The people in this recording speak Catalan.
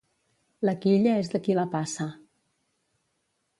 La quilla és de qui la passa.